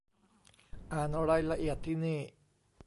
อ่านรายละเอียดที่นี่